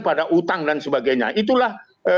pada utang dan sebagainya itulah